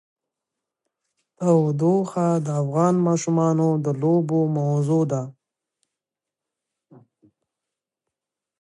تودوخه د افغان ماشومانو د لوبو موضوع ده.